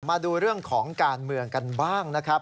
มาดูเรื่องของการเมืองกันบ้างนะครับ